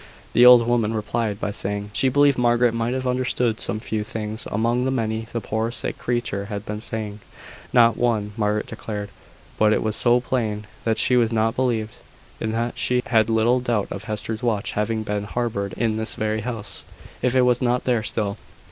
The old woman replied by saying, she believed Margaret might have understood some few things among the many the poor sick creature had been saying. Not one, Margaret declared; but it was so plain that she was not believed, that she had little doubt of Hester's watch having been harboured in this very house, if it was not there still.